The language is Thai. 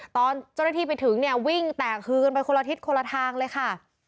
ตอนเจ้าหน้าที่ไปถึงเนี่ยวิ่งแตกคือกันไปคนละทิศคนละทางเลยค่ะ